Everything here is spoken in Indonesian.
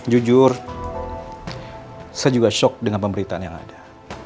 jujur saya juga shock dengan pemberitaan yang ada